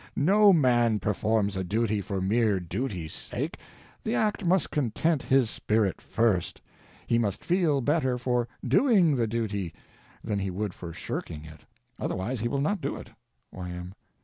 No man performs a duty for mere duty's sake; the act must content his spirit first. He must feel better for doing the duty than he would for shirking it. Otherwise he will not do it. Y.M.